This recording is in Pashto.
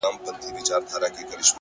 هره شېبه د غوره کېدو فرصت لري.!